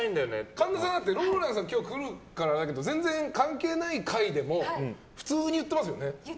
神田さんはＲＯＬＡＮＤさん来るからだけど全然関係ない回でも普通に言ってますよね。